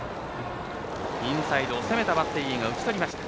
インサイドを攻めたバッテリーが打ちとりました。